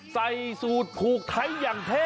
ใส่สูตรผูกไทยอย่างเท่